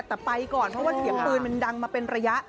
แต่ไปก่อนเพราะว่าเสียงปืนมันดังมาเป็นระยะ